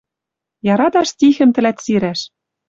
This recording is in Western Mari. Яраташ стихӹм тӹлӓт сирӓш?